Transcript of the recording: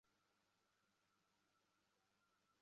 উভয় জাতির মধ্যে এই সংঘর্ষ ও প্রভেদ এখনও কয়েক শতাব্দী ধরিয়া চলিবে।